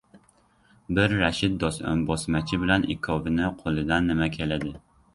— Bir Rashid bosmachi bilan ikkovini qo‘lidan nima keladi.